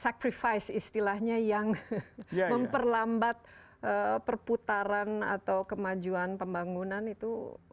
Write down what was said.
sacrifice istilahnya yang memperlambat perputaran atau kemajuan pembangunan itu